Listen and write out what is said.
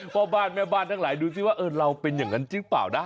พ่อบ้านแม่บ้านทั้งหลายดูซิว่าเราเป็นอย่างนั้นจริงเปล่านะ